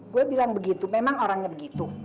gue bilang begitu memang orangnya begitu